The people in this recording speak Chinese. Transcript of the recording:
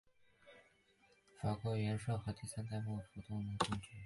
法国元帅和第三代旺多姆公爵。